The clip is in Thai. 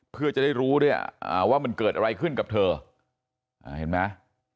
เพื่อจะได้รู้ด้วยว่ามันเกิดอะไรขึ้นกับเธอเห็นไหม